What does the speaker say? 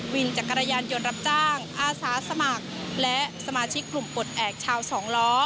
วินจักรยานยนต์รับจ้างอาสาสมัครและสมาชิกกลุ่มปลดแอบชาวสองล้อ